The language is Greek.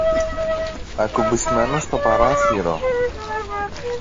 ακουμπισμένο στο παράθυρο